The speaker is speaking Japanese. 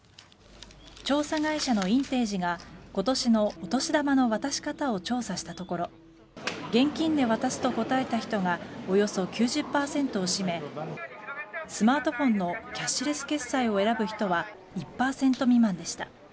調査会社のインテージが今年のお年玉の渡し方を調査したところ現金で渡すと答えた人がおよそ９０％を占めスマートフォンのキャッシュレス決済を選ぶ人は１％未満でした。